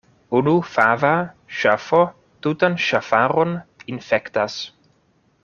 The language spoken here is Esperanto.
Unu fava ŝafo tutan ŝafaron infektas.